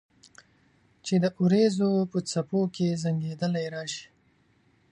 چې د اوریځو په څپو کې زنګیدلې راشي